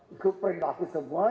itu perintahku semua